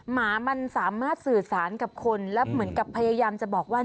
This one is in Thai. หมามันสามารถสื่อสารกับคนแล้วเหมือนกับพยายามจะบอกว่า